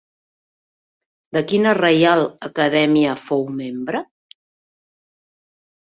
De quina Reial Acadèmia fou membre?